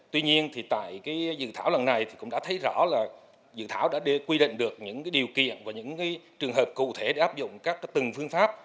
tuy nhiên thì tại dự thảo lần này thì cũng đã thấy rõ là dự thảo đã quy định được những điều kiện và những trường hợp cụ thể để áp dụng các từng phương pháp